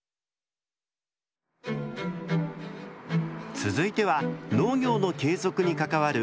続いては農業の継続に関わる大きな課題。